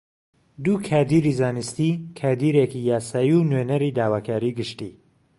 دوو کادیری زانستی، کادیرێکی یاسایی و نوێنهری داواکاری گشتی